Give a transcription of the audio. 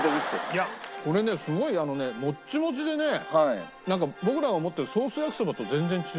いやこれねすごいもっちもちでねなんか僕らが思ってるソース焼きそばと全然違う。